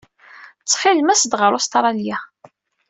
Ttxil-m, as-d ɣer Ustṛalya.